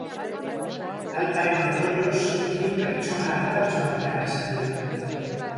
Talkaren ondorioz, hiru pertsona artatuak behar izan dira.